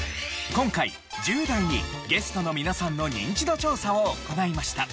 今回１０代にゲストの皆さんのニンチド調査を行いました。